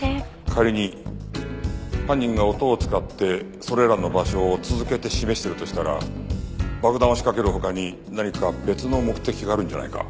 仮に犯人が音を使ってそれらの場所を続けて示してるとしたら爆弾を仕掛ける他に何か別の目的があるんじゃないか？